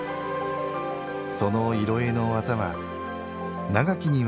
その色絵の技は長きにわたり受け継がれ